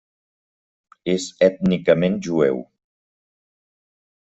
És ètnicament jueu.